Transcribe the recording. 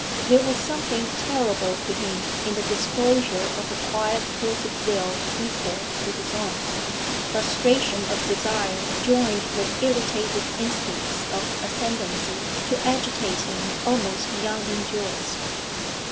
There was something terrible to him in the disclosure of a quiet force of will equal to his own. Frustration of desire joined with irritated instincts of ascendency to agitate him almost beyond endurance.